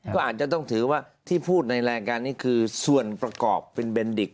ก็อาจจะต้องถือว่าที่พูดในรายการนี้คือส่วนประกอบเป็นเบนดิก